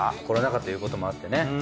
コロナ禍ということもあってね